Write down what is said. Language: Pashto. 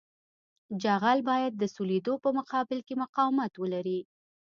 جغل باید د سولېدو په مقابل کې مقاومت ولري